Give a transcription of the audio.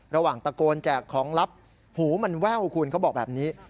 ระหว่างตะโกนแจกของลับหูมันแว่วคุณเขาบอกแบบนี้